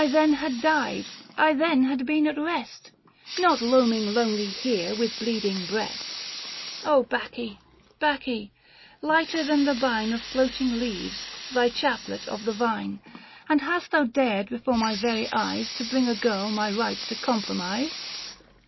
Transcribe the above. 1 then had died, I then had been at rest ; Not roaming lonely here with bleeding breast ! 520 Bacche, Bacche ! lighter than the bine Of floating leaves, thy chaplet of the Yine ; And hast thou dared before my very eyes To bring a girl my right to compromise